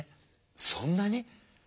そんなに？